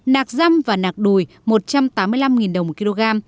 nạc răm và nạc đùi một trăm tám mươi năm đồng một kg